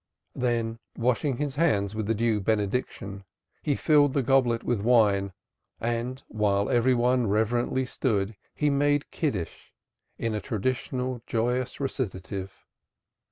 Then, washing his hands with the due benediction, he filled the goblet with wine, and while every one reverently stood he "made Kiddish," in a traditional joyous recitative